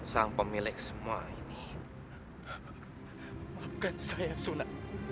sampai jumpa di video selanjutnya